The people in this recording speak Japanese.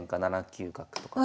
７九角とか。